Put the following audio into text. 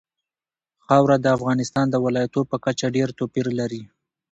خاوره د افغانستان د ولایاتو په کچه ډېر توپیر لري.